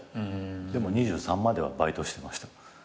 でも２３まではバイトしてました。